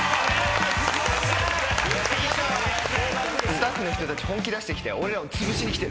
スタッフの人たち本気出してきたよ。